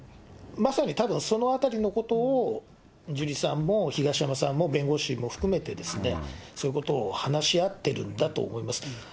まさにたぶん、そのあたりのことを、ジュリーさんも東山さんも弁護士も含めて、そういうことを話し合ってるんだと思います。